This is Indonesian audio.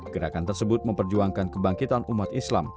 gerakan tersebut memperjuangkan kebangkitan umat islam